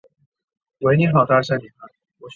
弗莱舍曼已经结婚并且有三个儿子。